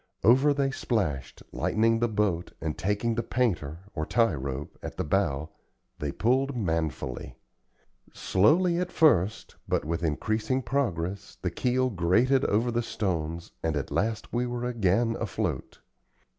Over they splashed, lightening the boat, and taking the "painter," or tie rope, at the bow, they pulled manfully. Slowly at first, but with increasing progress, the keel grated over the stones, and at last we were again afloat.